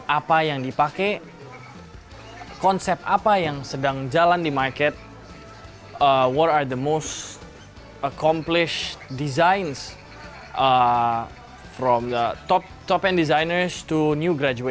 apa yang dipakai konsep apa yang sedang jalan di pasar apa yang paling terdapat dari pengembangan terbesar dari top end desainer hingga pelajar baru juga